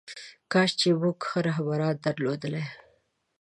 کاش چې موږ ښه رهبران درلودلی.